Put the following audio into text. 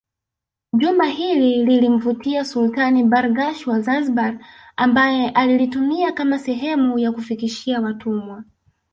Jumba hili lilimvutia Sultani Barghash wa Zanzibar ambaye alilitumia kama sehemu ya kufikishia watumwa